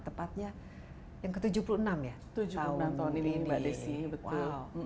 tepatnya yang ke tujuh puluh enam tahun ini